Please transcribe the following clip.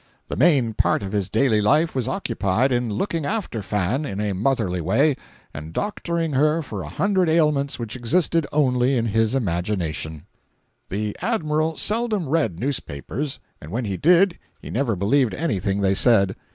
The main part of his daily life was occupied in looking after "Fan," in a motherly way, and doctoring her for a hundred ailments which existed only in his imagination. 448.jpg (48K) The Admiral seldom read newspapers; and when he did he never believed anything they said.